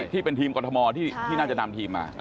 ที่เป็นทีมกรทมที่น่าจะนำทีมมา